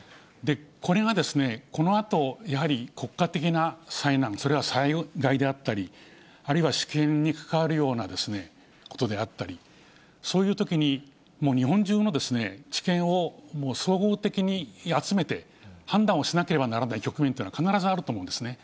これがこのあと、やはり国家的な災難、それは災害であったり、あるいは主権にかかわるようなことであったり、そういうときにもう日本中の知見を総合的に集めて、判断をしなければならない局面というのは必ずあると思うんですね。